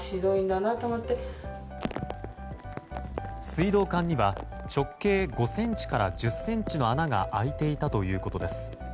水道管には直径５ｃｍから１０ｃｍの穴が開いていたということです。